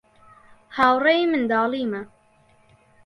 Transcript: هاوڕێی منداڵیمە.